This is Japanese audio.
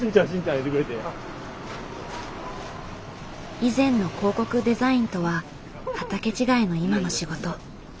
以前の広告デザインとは畑違いの今の仕事。